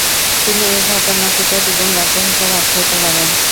তিনি এ ঘটনাটিকে দ্বিগুণ লজ্জা হিসেবে আখ্যায়িত করেন।